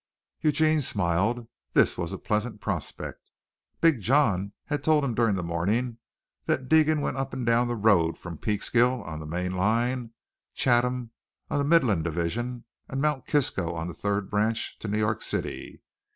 Eugene smiled. This was a pleasant prospect. Big John had told him during the morning that Deegan went up and down the road from Peekskill on the main line, Chatham on the Midland Division, and Mt. Kisco on a third branch to New York City.